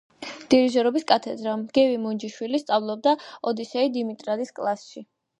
დირიჟორობის კათედრა, გივი მუნჯიშვილი სწავლობდა ოდისეი დიმიტრიადის კლასში.